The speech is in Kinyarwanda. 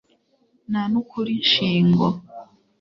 na n'ukuri shingo